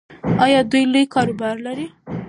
ایا دوی لوی کاروبار لري؟